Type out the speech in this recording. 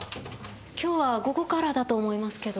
今日は午後からだと思いますけど。